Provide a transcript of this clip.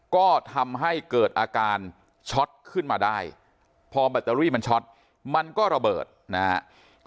ก็ทำให้เกิดอาการช็อตขึ้นมาได้พอแบตเตอรี่มันช็อตมันก็ระเบิดนะครับ